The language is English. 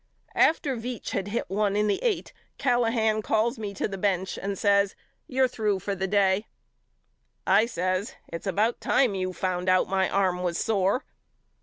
After Veach had hit one in the eight Callahan 42 YOU KNOW ME AL calls me to the bench and says You're through for the day. I says It's about time you found out my arm was sore.